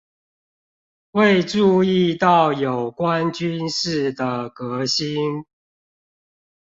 未注意到有關軍事的革新